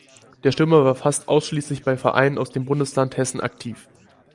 Der Stürmer war fast ausschließlich bei Vereinen aus dem Bundesland Hessen aktiv.